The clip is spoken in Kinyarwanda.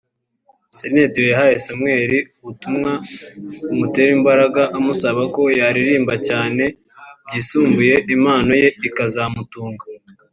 Celine Dion yahaye Samuel ubutumwa bumutera imbaraga amusaba ko yaririmba cyane byisumbuye impano ye ikazamutunga